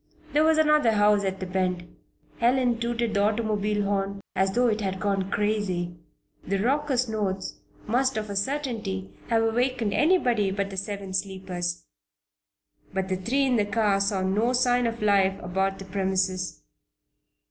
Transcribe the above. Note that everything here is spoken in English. There was another house at the bend. Helen tooted the automobile horn as though it had gone crazy. The raucous notes must of a certainty have awakened anybody but the Seven Sleepers. But the three in the car saw no sign of life about the premises.